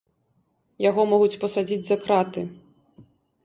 Яго могуць пасадзіць за краты.